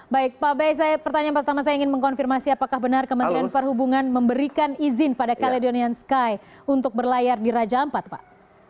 baik pak bey pertanyaan pertama saya ingin mengkonfirmasi apakah benar kementerian perhubungan memberikan izin pada caledonian sky untuk berlayar di raja ampat pak